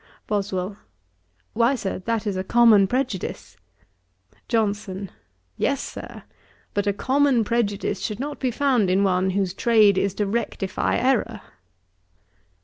BOSWELL. 'Why, Sir, that is a common prejudice.' JOHNSON. 'Yes, Sir, but a common prejudice should not be found in one whose trade it is to rectify errour.'